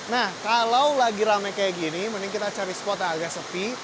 nah kalau lagi rame kayak gini mending kita cari spot yang agak sepi